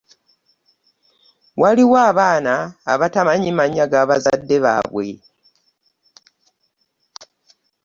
Waliwo abaana abatamanyi mannya ga bazadde baabwe.